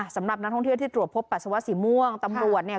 สำหรับนักโฆษณ์ที่ตรวจพบปัสสาวะสีม่วงตำรวจเนี่ย